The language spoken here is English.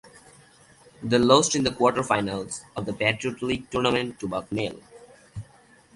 They lost in the quarterfinals of the Patriot League Tournament to Bucknell.